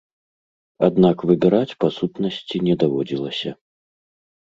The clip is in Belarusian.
Аднак выбіраць, па сутнасці, не даводзілася.